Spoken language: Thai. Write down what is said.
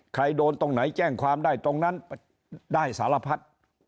ใครโดนตรงไหนแจ้งความได้ตรงนั้นได้สารพัด